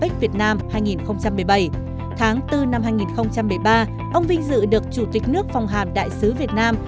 trong năm apec việt nam hai nghìn một mươi bảy tháng bốn năm hai nghìn một mươi ba ông vinh dự được chủ tịch nước phòng hàm đại sứ việt nam